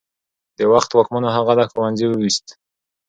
د وخت واکمنو هغه له ښوونځي ویست.